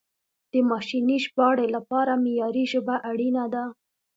د ماشیني ژباړې لپاره معیاري ژبه اړینه ده.